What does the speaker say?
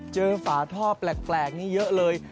ฝาท่อแปลกนี่เยอะเลย